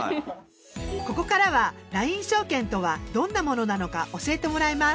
ここからはＬＩＮＥ証券とはどんなものなのか教えてもらいます。